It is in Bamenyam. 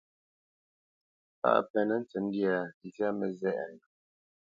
Kâʼ a penə́ tsəndyâ, nzyá mə́zɛʼnə.